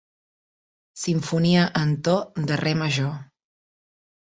Simfonia en to de re major.